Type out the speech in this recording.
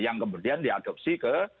yang kemudian diadopsi ke